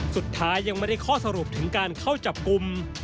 สุดท้ายยังไม่ได้ข้อสรุปถึงการเข้าจับกลุ่ม